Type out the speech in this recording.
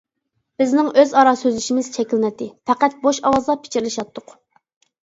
بىزنىڭ ئۆز ئارا سۆزلىشىمىز چەكلىنەتتى، پەقەت بوش ئاۋازدا پىچىرلىشاتتۇق.